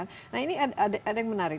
nah ini ada yang menarik